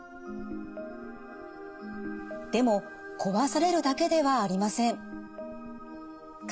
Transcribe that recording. でも壊されるだけではありません。